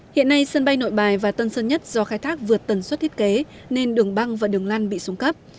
hiện nay sân bay nội bài và tân sơn nhất do khai thác vượt tần suất thiết kế nên đường băng và đường lăn bị xuống cấp